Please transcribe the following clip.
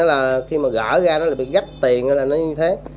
là khi mà gỡ ra nó bị gắt tiền là nó như thế